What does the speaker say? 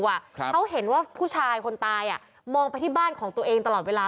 เขาเห็นว่าผู้ชายคนตายอ่ะมองไปที่บ้านของตัวเองตลอดเวลา